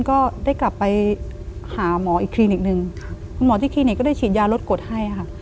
ก็ได้กลับไปหาหมออีกคลินิกหนึ่งคุณหมอที่คลินิกก็ได้ฉีดยาลดกดให้ค่ะ